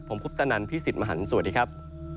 ผมคุปตะนันพี่สิทธิ์มหันฯสวัสดีครับ